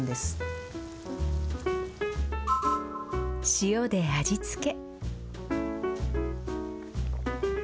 塩で味付け。